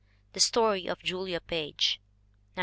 The Story of Julia Page, 1915.